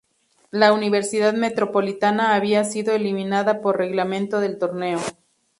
La Universidad Metropolitana había sido eliminada por reglamento del torneo.